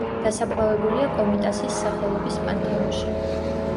დასაფლავებულია კომიტასის სახელობის პანთეონში.